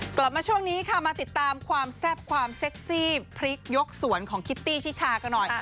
กลับมาช่วงนี้ค่ะมาติดตามความแซ่บความเซ็กซี่พริกยกสวนของคิตตี้ชิชากันหน่อย